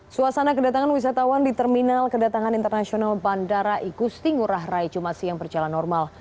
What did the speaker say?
suasana kedatangan wisatawan di terminal kedatangan internasional bandara igusti ngurah rai jumat siang berjalan normal